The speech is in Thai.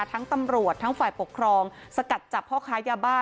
ทั้งตำรวจทั้งฝ่ายปกครองสกัดจับพ่อค้ายาบ้า